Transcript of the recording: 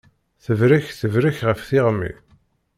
Tebrek tebrek ɣef tiɣmi